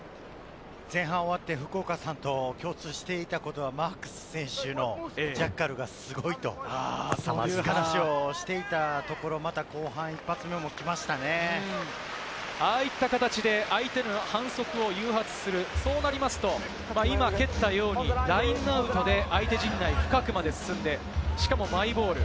前半終わって福岡さんと共通していたことは、マークス選手のジャッカルがすごいという話をしていたところもああいった形で相手の反則を誘発する、そうなりますと、今、蹴ったようにラインアウトで相手陣内深くまで進んで、しかもマイボール。